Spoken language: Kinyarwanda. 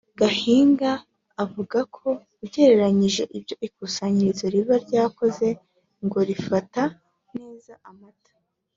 Gahiga avuga ko ugereranyije ibyo ikusanyirizo riba ryakoze ngo rifate neza amata